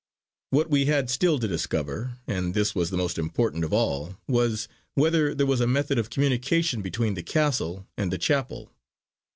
What we had still to discover, and this was the most important of all, was whether there was a method of communication between the castle and the chapel.